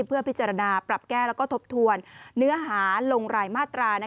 เพื่อพิจารณาปรับแก้แล้วก็ทบทวนเนื้อหาลงรายมาตรา